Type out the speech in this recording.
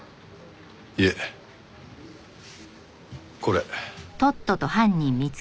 いえこれ。